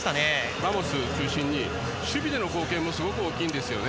ラモス中心に守備での貢献もすごく大きいんですよね。